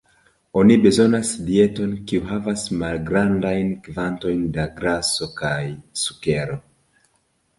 Oni bezonas dieton kiu havas malgrandajn kvantojn da graso kaj sukero.